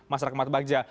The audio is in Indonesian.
mas rekmat bagja